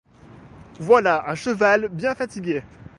Voilà un cheval bien fatigué.